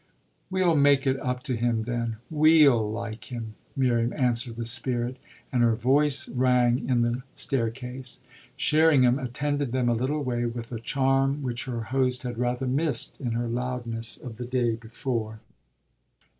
"We'll make it up to him, then; we'll like him," Miriam answered with spirit; and her voice rang in the staircase Sherringham attended them a little way with a charm which her host had rather missed in her loudness of the day before.